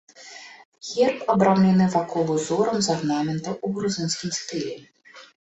Герб абрамлены вакол узорам з арнаментаў у грузінскім стылі.